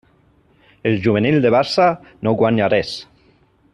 El juvenil del Barça no guanya res.